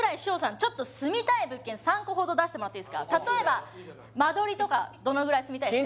ちょっと住みたい物件３個ほど出してもらっていいですか例えば間取りとかどのぐらい住みたいですか？